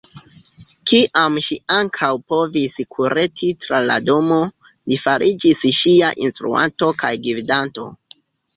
Kiam ŝi ankaŭ povis kureti tra la domo, li fariĝis ŝia instruanto kaj gvidanto.